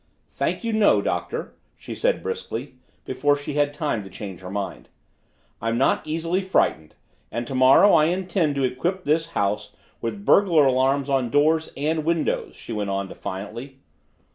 "Thank you, no, Doctor," she said briskly, before she had time to change her mind. "I'm not easily frightened. And tomorrow I intend to equip this entire house with burglar alarms on doors and windows!" she went on defiantly.